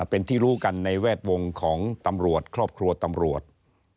เป็นที่รู้กันในแวดวงของตำรวจครอบครัวตำรวจ